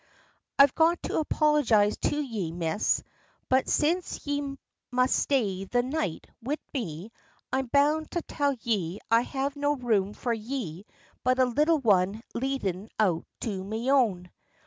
"I've got to apologize to ye, Miss, but since ye must stay the night wid me, I'm bound to tell ye I have no room for ye but a little one leadin' out o' me own."